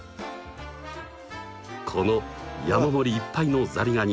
この山盛りいっぱいのザリガニ！